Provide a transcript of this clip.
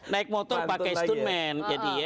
naik motor pakai stuntman